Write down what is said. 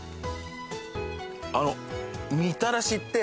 あの。